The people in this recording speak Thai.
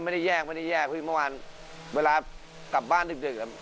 ไม่ได้แยกไม่ได้แยกพี่เมื่อวานเวลากลับบ้านดึกครับ